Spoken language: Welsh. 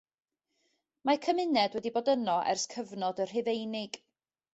Mae cymuned wedi bod yno ers y cyfnod Rhufeinig.